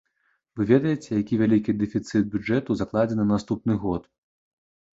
Вы ведаеце, які вялікі дэфіцыт бюджэту закладзены на наступны год?